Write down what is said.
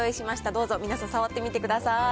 どうぞ、みなさん触ってみてください。